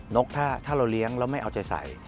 นกถ้าเราเลี้ยงแล้วไม่เอาใจใส่